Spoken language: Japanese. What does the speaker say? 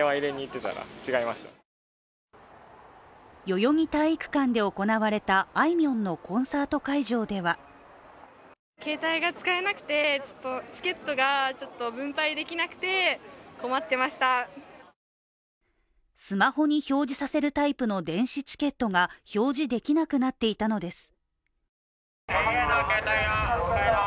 代々木体育館で行われたあいみょんのコンサート会場ではスマホに表示させるタイプの電子チケットが表示できなくなっていたのです。